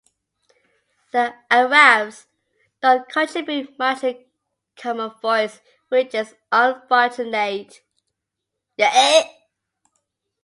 The Arabs don't contribute much to Common Voice which is unfortunate.